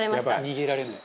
「逃げられない」